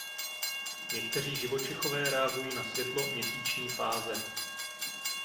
Někteří živočichové reagují na světlo měsíční fáze.